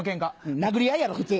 殴り合いやろ普通。